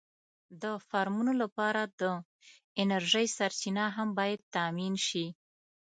د فارمونو لپاره د انرژۍ سرچینه هم باید تأمېن شي.